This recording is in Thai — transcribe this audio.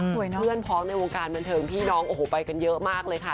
เพื่อนพ้องในวงการบันเทิงพี่น้องโอ้โหไปกันเยอะมากเลยค่ะ